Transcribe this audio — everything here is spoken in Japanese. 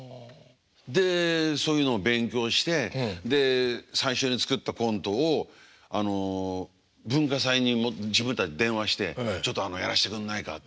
でそういうのを勉強してで最初に作ったコントを文化祭に自分たちで電話してちょっとやらせてくんないかと。